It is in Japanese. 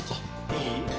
いい？